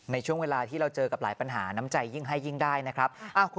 ในช่วงเวลาที่เราเจอกับหลายปัญหาน้ำใจยิ่งให้ยิ่งได้นะครับ